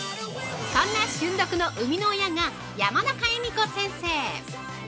◆そんな瞬読の生みの親が山中恵美子先生！